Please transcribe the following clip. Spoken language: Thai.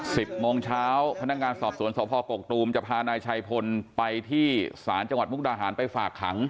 สิบโมงเช้าพนักงานสอบสวนสพกกตูมจะพานายชัยพลไปที่ศาลจังหวัดมุกดาหารไปฝากขัง